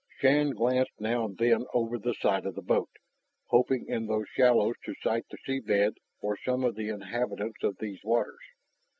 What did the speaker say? Shann glanced now and then over the side of the boat, hoping in these shallows to sight the sea bed or some of the inhabitants of these waters.